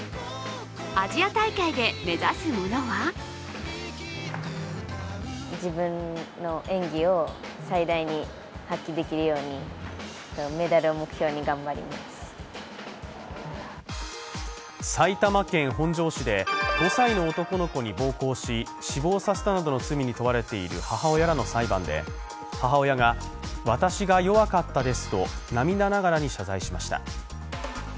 アジア大会で目指すものは埼玉県本庄市で、５歳の男の子に暴行し死亡させたなどの罪に問われている母親らの裁判で母親が、私が弱かったですと涙ながらに謝罪しました。